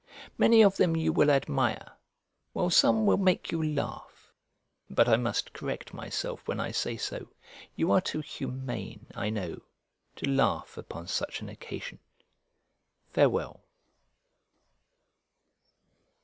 Many of them you will admire, while some will make you laugh; but I must correct myself when I say so; you are too humane, I know, to laugh upon such an occasion. Farewell.